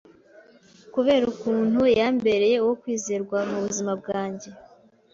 kubera ukuntu yambereye uwo kwizerwa mu buzima bwanjye.